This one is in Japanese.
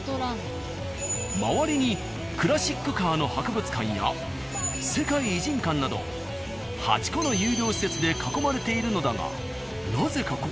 周りにクラシックカーの博物館や世界偉人館など８個の有料施設で囲まれているのだが。